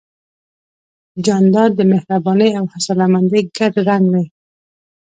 جانداد د مهربانۍ او حوصلهمندۍ ګډ رنګ دی.